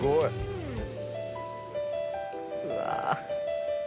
うわ。